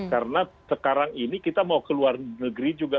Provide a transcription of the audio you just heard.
karena sekarang ini kita mau ke luar negeri juga